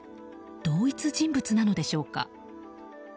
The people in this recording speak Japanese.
同一人物なのでしょうか。